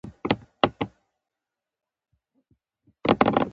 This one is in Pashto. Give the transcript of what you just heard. زه نور څه نه لیکم، ځکه بیا مې ورور خفه کېږي